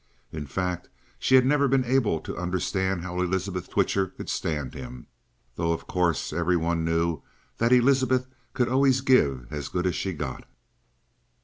In fact, she had never been able to understand how Elizabeth Twitcher could stand him, though of course every one knew that Elizabeth could always give as good as she got.